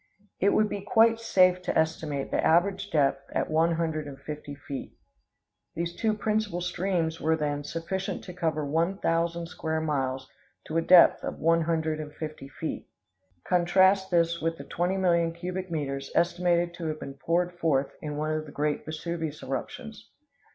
It would be quite safe to estimate the average depth at one hundred and fifty feet. These two principal streams were, then, sufficient to cover one thousand square miles to a depth of one hundred and fifty feet. Contrast with this the twenty million cubic meters estimated to have been poured forth in one of the great Vesuvian eruptions.